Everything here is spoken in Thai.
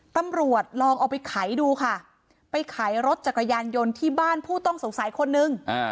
ตำรวจลองเอาไปขายดูค่ะไปขายรถจักรยานยนต์ที่บ้านผู้ต้องสงสัยคนนึง